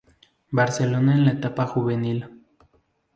Barcelona en la etapa juvenil.